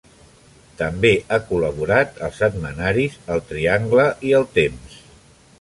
També ha col·laborat als setmanaris El Triangle i El Temps.